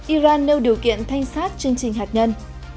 iran nêu điều kiện thanh sát chương trình hạt nhân